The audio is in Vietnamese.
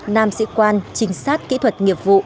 nam sĩ quan trinh sát kỹ thuật nghiệp vụ